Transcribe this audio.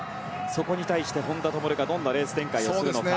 そこに対して本多灯がどんなレース展開をするのか。